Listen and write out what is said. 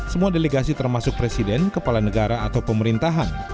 semua delegasi termasuk presiden kepala negara atau pemerintahan